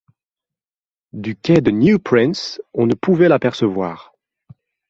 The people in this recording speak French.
Du quai de New-Prince, on ne pouvait l’apercevoir.